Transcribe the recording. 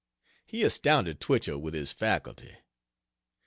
He astounded Twichell with his faculty.